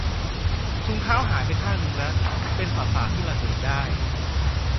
ถุงเท้าหายไปข้างนึงละ เป็นสสารที่ระเหิดได้